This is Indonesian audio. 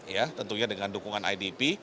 ya tentunya dengan dukungan idp